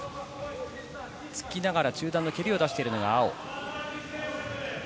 突きながら中段の蹴りを出しているのが青。